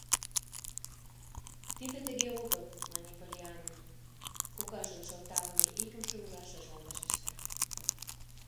— Тиде тыге огыл, — мане Поллианна, кокажын шылталыме икымше ужашыжлан вашешта.